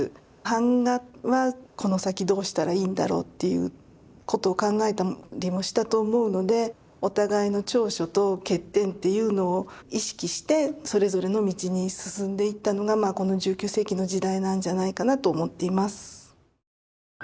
版画はこの先どうしたらいいんだろうっていうことを考えたりもしたと思うのでお互いの長所と欠点っていうのを意識してそれぞれの道に進んでいったのがこの１９世紀の時代なんじゃないかなと思っています。